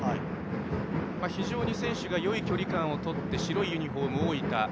非常に選手がよい距離感をとっている白いユニフォームの大分。